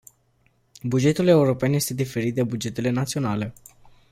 Bugetul european este diferit de bugetele naționale.